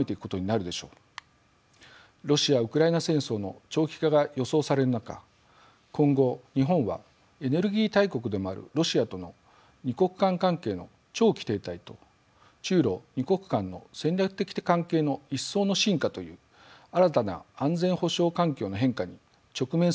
ロシア・ウクライナ戦争の長期化が予想される中今後日本はエネルギー大国でもあるロシアとの二国間関係の長期停滞と中ロ二国間の戦略的関係の一層の深化という新たな安全保障環境の変化に直面することになります。